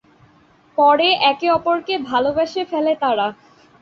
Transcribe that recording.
পরে একে অপরকে ভালোবেসে ফেলে তারা।